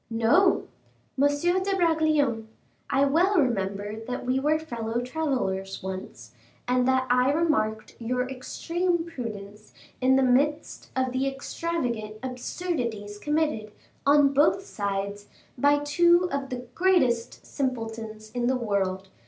"No! M. de Bragelonne, I well remember that we were fellow travelers once, and that I remarked your extreme prudence in the midst of the extravagant absurdities committed, on both sides, by two of the greatest simpletons in the world, M.